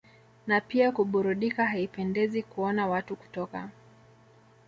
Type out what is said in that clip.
na pia kuburudika Haipendezi kuona watu kutoka